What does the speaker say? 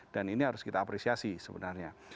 dan ini harus kita apresiasi sebenarnya